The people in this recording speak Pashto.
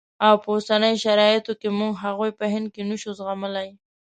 او په اوسنیو شرایطو کې موږ هغوی په هند کې نه شو زغملای.